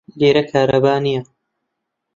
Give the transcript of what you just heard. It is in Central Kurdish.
لێرە کارەبا نییە.